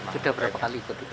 sudah berapa kali ikut